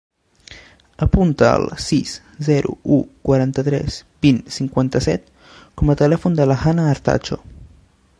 Apunta el sis, zero, u, quaranta-tres, vint, cinquanta-set com a telèfon de la Hannah Artacho.